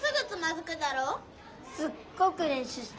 すっごくれんしゅうした。